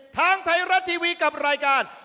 ทางไทยรัฐทีวีกับรายการ